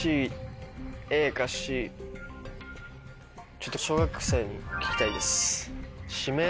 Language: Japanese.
ちょっと小学生に聞きたいです。